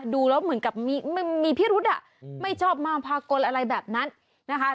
ดูแล้วเหมือนกับมีพิรุธไม่ชอบมาพากลอะไรแบบนั้นนะคะ